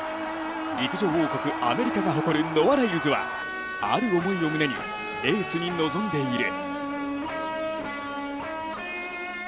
陸上王国アメリカが誇るノア・ライルズはある思いを胸にレースに臨んでいる。